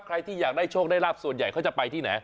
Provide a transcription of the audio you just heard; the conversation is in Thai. ใครที่อยากได้โชคได้ราบส่วนใหญ่เขาจะไปที่ไหน